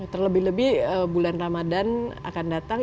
terlebih lebih bulan ramadhan akan datang